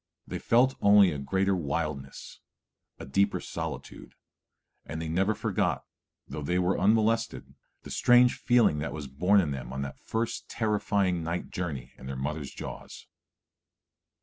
They felt only a greater wildness, a deeper solitude; and they never forgot, though they were unmolested, the strange feeling that was born in them on that first terrifying night journey in their mother's jaws.